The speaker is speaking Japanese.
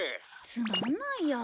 つまんないや。